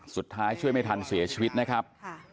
สุดท้ายช่วยไม่ทันเสียชีวิตนะครับค่ะ